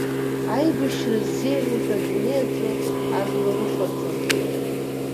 Аибашьра ззеиӷьу ҳәа адунеи аҿы жәлар ыҟаӡам.